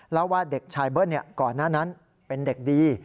แล้วว่าเด็กชายเบิ้ลก่อนหน้านั้นเป็นเด็กดี